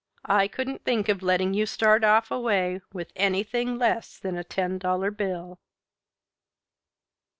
"I couldn't think of letting you start off away with anything less than a ten dollar bill."